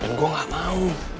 dan gue gak mau